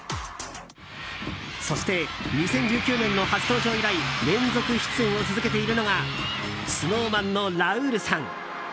そして、２０１９年の初登場以来連続出演を続けているのがＳｎｏｗＭａｎのラウールさん。